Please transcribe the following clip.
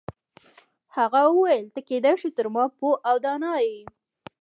هغه وویل ته کیدای شي تر ما پوه او دانا یې.